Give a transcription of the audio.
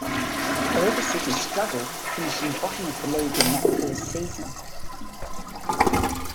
However City struggled, finishing bottom of the League in that first season.